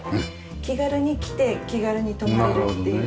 気軽に来て気軽に泊まれるっていうふうにしてます。